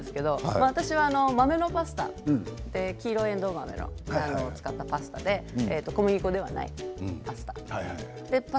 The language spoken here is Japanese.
私は豆のパスタ、黄色いえんどう豆を使ったパスタで小麦粉ではないパスタです。